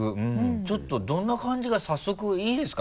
ちょっとどんな感じか早速いいですか？